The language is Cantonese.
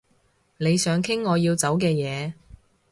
你想傾我要走嘅嘢